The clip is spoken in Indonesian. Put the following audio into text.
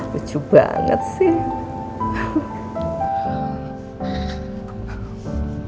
lucu banget sih